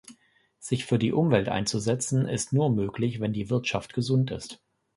Sich für die Umwelt einzusetzen, ist nur möglich, wenn die Wirtschaft gesund ist.